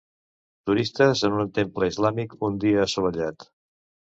Turistes en un temple islàmic un dia assolellat.